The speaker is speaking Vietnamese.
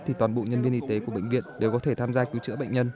thì toàn bộ nhân viên y tế của bệnh viện đều có thể tham gia cứu chữa bệnh nhân